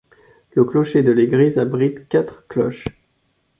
Le clocher de l'église abrite quatre cloches.